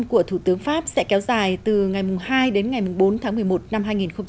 của thủ tướng pháp sẽ kéo dài từ ngày hai đến ngày bốn tháng một mươi một năm hai nghìn hai mươi